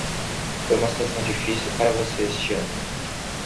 Foi uma situação difícil para você este ano.